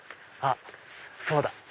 あっそうだ！